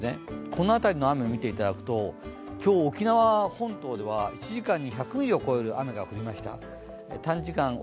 この辺りの雨を見ていただくと、今日、沖縄本島では１時間に１００ミリを超える雨が降りました。